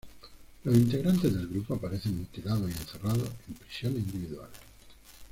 Los integrantes del grupo aparecen mutilados y encerrados en prisiones individuales.